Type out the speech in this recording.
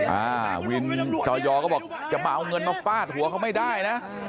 อ่าวินจอยอก็บอกจะมาเอาเงินมาฟาดหัวเขาไม่ได้นะ